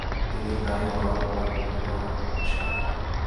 তিনি প্রায়ই গর্ভপাত বিরোধীদের আক্রমনের শিকার হতেন।